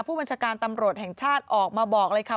ผู้บัญชาการตำรวจแห่งชาติออกมาบอกเลยค่ะ